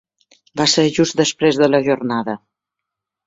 Va ser just després de la jornada.